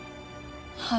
はい。